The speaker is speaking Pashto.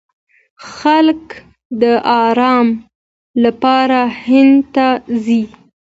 خلک د ارام لپاره هند ته ځي.